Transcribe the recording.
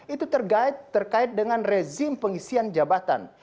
itu terkait dengan rezim pengisian jabatan